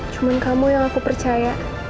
cuma kamu yang aku percaya